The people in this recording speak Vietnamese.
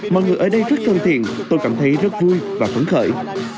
mọi người ở đây rất thân thiện tôi cảm thấy rất vui và phấn khởi